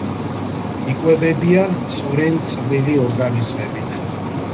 იკვებებიან წვრილ-წვრილი ორგანიზმებით.